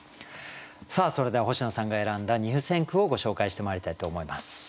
それでは星野さんが選んだ入選句をご紹介してまいりたいと思います。